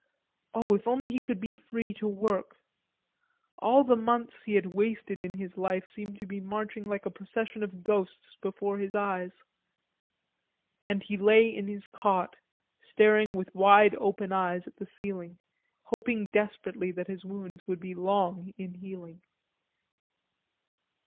Oh, if he could only be free to work. All the months he had wasted in his life seemed to be marching like a procession of ghosts before his eyes. And he lay in his cot, staring with wide open eyes at the ceiling, hoping desperately that his wounds would be long in healing.